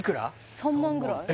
３万ぐらい？